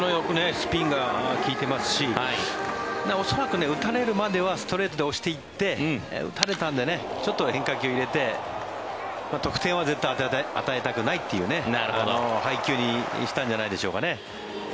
スピンが利いてますし恐らく、打たれるまではストレートで押していって打たれたのでちょっと変化球入れて得点は与えたくないという配球にしたんじゃないでしょうかね。